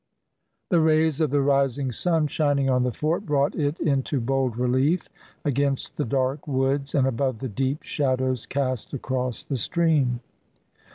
The rays of the rising sun shining on the fort brought it into bold relief against the dark woods, and above the deep shadows cast across the stream.